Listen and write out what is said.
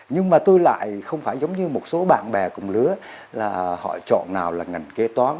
nhưng mà tôi lại không phải giống như một số bạn bè cùng lứa là họ chọn nào là ngành kế toán